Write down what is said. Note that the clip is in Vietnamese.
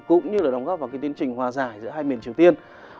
cũng như là đóng góp vào tiến trình hòa giải giữa hai miền triều tiên